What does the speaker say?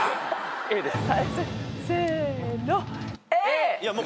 Ａです。